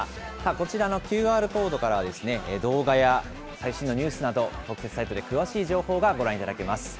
こちらのＱＲコードから動画や最新のニュースなど、特設サイトで詳しい情報がご覧いただけます。